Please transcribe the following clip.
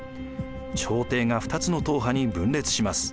朝廷が二つの統派に分裂します。